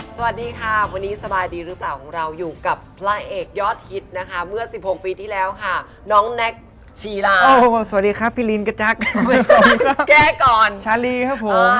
สวัสดีค่ะวันนี้สบายดีหรือเปล่าของเราอยู่กับพระเอกยอดฮิตนะคะเมื่อ๑๖ปีที่แล้วค่ะน้องแน็กชีลาสวัสดีครับพี่ลินกระแจ๊คแก้ก่อนชาลีครับผม